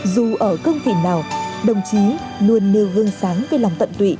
dù ở cưng thị nào đồng chí luôn nêu gương sáng về lòng tận tụy